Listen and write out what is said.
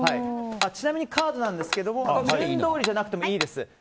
ちなみにカードは順どおりじゃなくてもいいです。